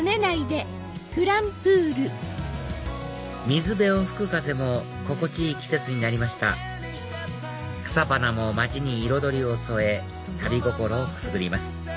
水辺を吹く風も心地いい季節になりました草花も街に彩りを添え旅心をくすぐります